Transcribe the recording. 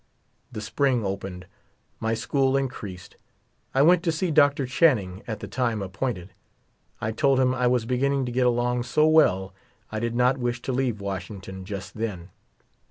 The spring opened ; my school increased. I went to see Dr. Channing at the time appointed. I told him I was beginning to get along so well I did not wish to leave Washington just then.